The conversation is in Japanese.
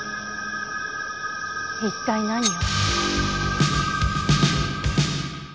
一体何を。